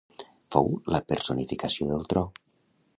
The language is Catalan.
Fou la personificació del tro.